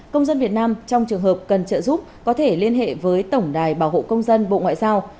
công dân việt nam trong trường hợp cần trợ giúp có thể liên hệ với tổng đài bảo hộ công dân bộ ngoại giao